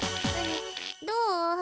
どう？